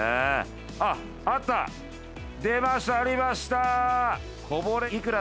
あっあった出ましたありました。